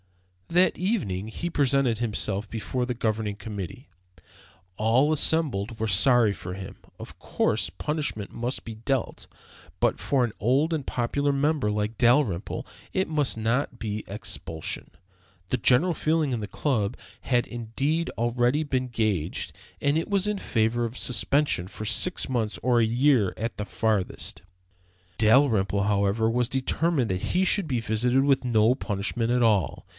That evening he presented himself before the Governing Committee. All assembled were sorry for him. Of course, punishment must be dealt, but for an old and popular member like Dalrymple it must not be expulsion. The general feeling of the Club had indeed already been gauged, and it was in favor of suspension for six months or a year at the farthest. Dalrymple, however, was determined that he should be visited with no punishment at all.